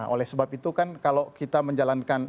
oleh sebab itu kan kalau kita menjalankan